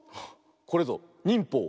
これぞにんぽう